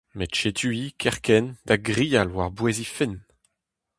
Met setu-hi kerkent da grial war-bouez he fenn :